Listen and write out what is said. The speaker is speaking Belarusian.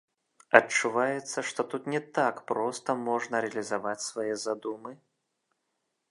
Адчуваецца, што тут не так проста можна рэалізаваць свае задумы?